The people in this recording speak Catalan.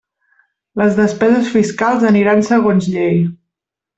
Les despeses fiscals aniran segons llei.